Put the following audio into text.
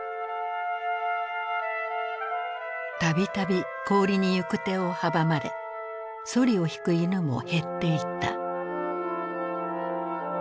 度々氷に行く手を阻まれそりを引く犬も減っていった。